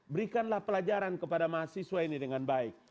berikanlah pelajaran kepada mahasiswa ini dengan baik